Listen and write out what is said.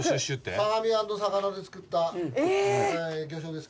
相模湾の魚で造った魚醤です。